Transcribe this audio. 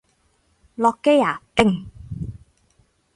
落機啊！勁！